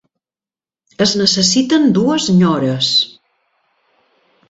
Es necessiten dues nyores.